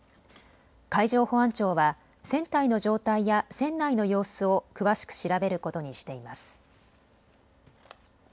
海上保安庁は船体の状態や船内の様子を詳しく調べることにしています。